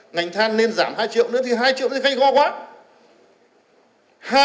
ngành than nên giảm hai triệu nữa thì hai triệu thì gây khó quá